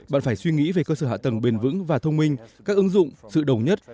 bạn phải suy nghĩ về cơ sở hạ tầng bền vững và thông minh các ứng dụng sự đồng nhất